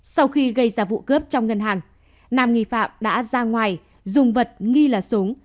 sau khi gây ra vụ cướp trong ngân hàng nam nghi phạm đã ra ngoài dùng vật nghi là súng